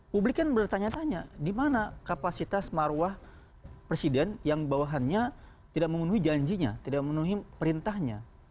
publik kan bertanya tanya di mana kapasitas marwah presiden yang bawahannya tidak memenuhi janjinya tidak memenuhi perintahnya